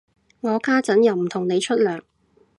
我家陣又唔同你出糧